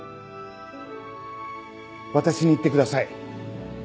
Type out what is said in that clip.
私に言ってください。